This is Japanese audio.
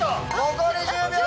残り１０秒！